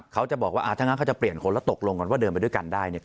เขาจะบอกว่าอ่าถ้างั้นเขาจะเปลี่ยนคนแล้วตกลงกันว่าเดินไปด้วยกันได้เนี่ย